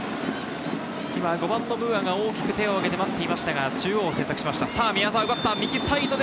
５番のムーアが大きく手を挙げて待っていましたが、中央を選択しました。